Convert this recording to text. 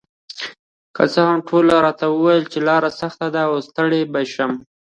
که څه هم ټولو راته ویل چې لار سخته ده او ستړې به شم،